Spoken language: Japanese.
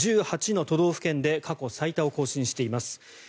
１８の都道府県で過去最多を更新しています。